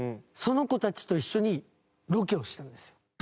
その子たちと一緒にロケをしたんです。